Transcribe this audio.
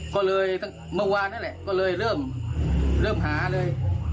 ก็เลยตั้งเมื่อวานนั่นแหละก็เลยเริ่มหาเลย